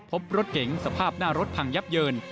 พบรถเก๋งสภาพหน้ารถพังยับเยิน